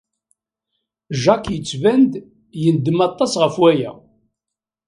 Jack yettban-d yendem aṭas ɣef waya.